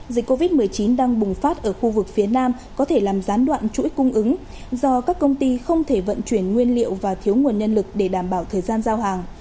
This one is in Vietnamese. dịch covid một mươi chín đang bùng phát ở khu vực phía nam có thể làm gián đoạn chuỗi cung ứng do các công ty không thể vận chuyển nguyên liệu và thiếu nguồn nhân lực để đảm bảo thời gian giao hàng